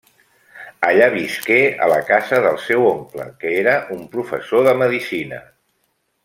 Allà visqué a la casa del seu oncle, que era un professor de medicina.